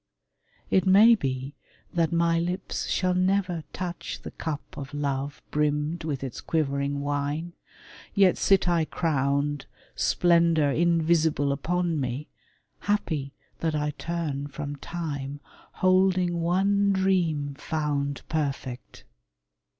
It may be that my lips shall never touch The cup of love brimmed with its quivering wine; Yet sit I crowned, splendor invisible J Upon me, happy that I turn from Time Holding one dream found perfect.